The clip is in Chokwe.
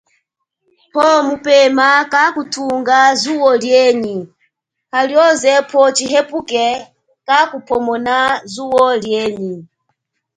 Powo mupema kakuthunga zuo lienyi halioze poho tshihepuke kakuphomona zuo lienyi.